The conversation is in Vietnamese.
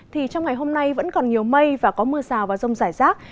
thì trong ngày hôm nay vẫn còn nhiều mây và có mưa rào và rông rải rác